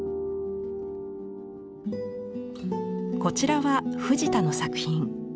こちらは藤田の作品。